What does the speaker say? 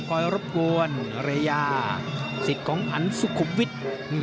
รบกวนเรยาสิทธิ์ของอันสุขุมวิทย์